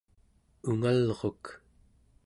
ungalruk